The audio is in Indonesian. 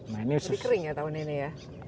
jadi kering ya tahun ini ya